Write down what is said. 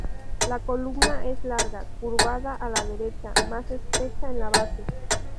La columna es larga, curvada a la derecha, más estrecha en la base.